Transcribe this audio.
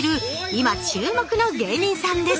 今注目の芸人さんです